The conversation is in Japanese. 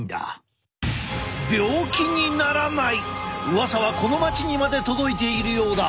うわさはこの町にまで届いているようだ。